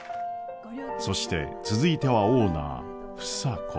そして続いてはオーナー房子。